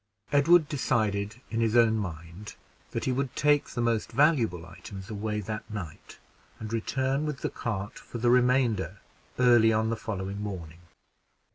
Edward decided in his own mind that he would take the most valuable articles away that night, and return with the cart for the remainder early on the following morning.